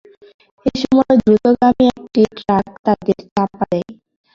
এ সময় দ্রুতগামী একটি ট্রাক তাঁদের চাপা দেয়।